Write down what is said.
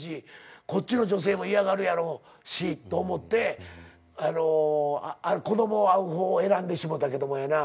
こっちの女性も嫌がるやろうしと思って子供会う方を選んでしもうたけどもやな。